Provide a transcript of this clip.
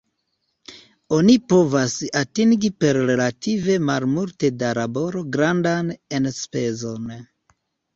Oni povas atingi per relative malmulte da laboro grandan enspezon.